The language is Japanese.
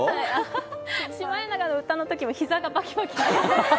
「シマエナガの歌」のときも膝がバキバキいうんです。